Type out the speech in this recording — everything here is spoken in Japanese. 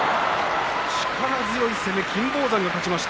力強い攻め金峰山が勝ちました。